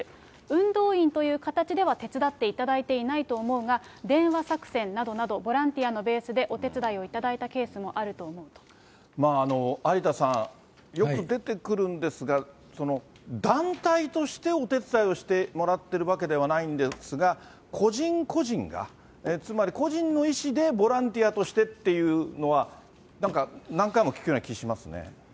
運動員という形では手伝っていただいていないと思うが、電話作戦などなど、ボランティアのベースでお手伝いをいただいたケースもあると思う有田さん、よく出てくるんですが、団体としてお手伝いをしてもらってるわけではないんですが、個人個人が、つまり個人の意思でボランティアとしてっていうのは、なんか、何回も聞くような気がしますね。